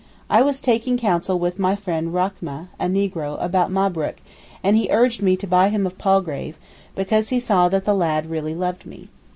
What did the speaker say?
I was taking counsel with my friend Rachmeh, a negro, about Mabrook, and he urged me to buy him of Palgrave, because he saw that the lad really loved me.